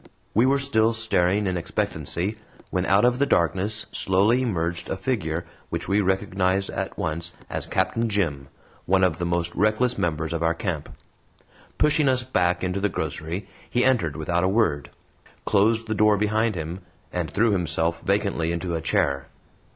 We were still staring in expectancy when out of the darkness slowly emerged a figure which we recognized at once as Captain Jim, one of the most reckless members of our camp. Pushing us back into the grocery he entered without a word, closed the door behind him, and threw himself vacantly into a chair.